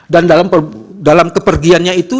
dan dalam kepergiannya itu